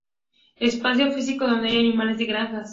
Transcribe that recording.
Espacio físico donde hay animales de granjas